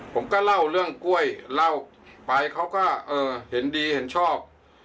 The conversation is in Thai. ผมก็เล่าเรื่องกล้วยเล่าไปเขาก็เออเห็นดีเห็นชอบ